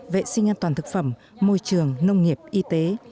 vệ sinh an toàn thực phẩm môi trường nông nghiệp y tế